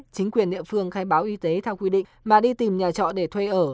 chính quyền địa phương khai báo y tế theo quy định mà đi tìm nhà trọ để thuê ở